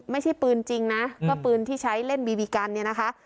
ไม่ใช่ปืนจริงนะก็ปืนที่ใช้เล่นบีบีกันเนี่ยนะคะ